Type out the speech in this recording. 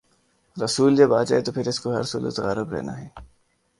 رسول جب آ جائے تو پھر اس کو ہر صورت غالب رہنا ہے۔